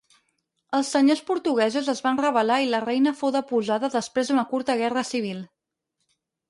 Els senyors portuguesos es van rebel·lar i la reina fou deposada després d'una curta guerra civil.